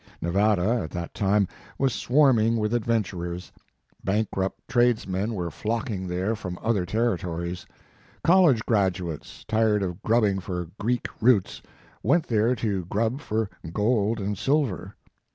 Nevada, at that time, was swarming with adventurers. Bankrupt tradesmen His Life and Work. were flocking there from other territories. College graduates, tired of grubbing for Greek roots, went there to grub for gold and silver.